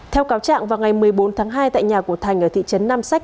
theo cáo trạng vào ngày một mươi bốn tháng hai tại nhà của thành ở thị trấn nam sách